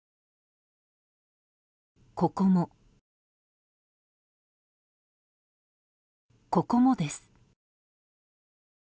ここも、ここもです。